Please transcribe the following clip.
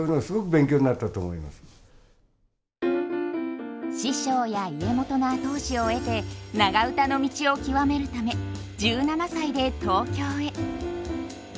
そういうの師匠や家元の後押しを得て長唄の道を究めるため１７歳で東京へ。